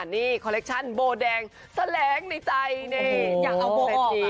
นี่คอเล็กชั่นโบดแดงแสลงในใจเนี้ยอยากเอาออกอ่ะเสร็จนี้